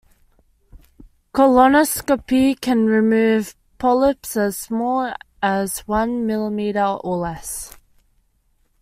Colonoscopy can remove polyps as small as one millimetre or less.